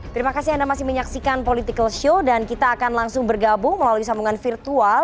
terima kasih anda masih menyaksikan political show dan kita akan langsung bergabung melalui sambungan virtual